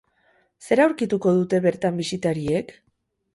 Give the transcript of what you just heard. Zer aurkituko dute bertan bisitariek?